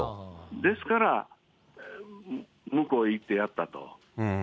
ですから、向こうへ行ってやったと。